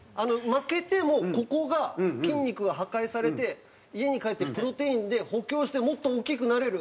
負けてもここが筋肉が破壊されて家に帰ってプロテインで補強してもっと大きくなれる。